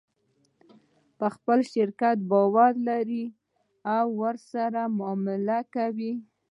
خلک په شرکت باور لري او ورسره معامله کوي.